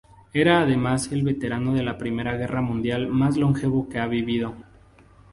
Era además el veterano de la Primera Guerra Mundial más longevo que ha vivido.